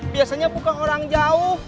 biasanya bukan orang jauh